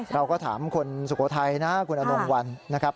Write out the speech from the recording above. เราก็ถามคนสุโขทัยนะคุณอนงวัลนะครับ